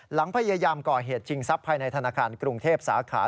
พยายามก่อเหตุชิงทรัพย์ภายในธนาคารกรุงเทพสาขา